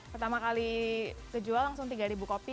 pertama kali dijual langsung tiga ribu kopi